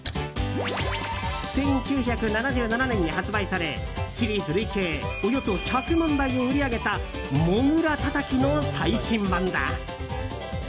１９７７年に発売されシリーズ累計およそ１００万台を売り上げたモグラたたきの最新版だ。